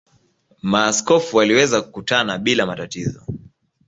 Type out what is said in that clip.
Maaskofu waliweza kukutana bila matatizo.